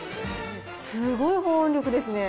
すごい保温力ですね。